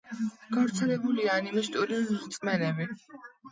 გავრცელებულია ანიმისტური რწმენები.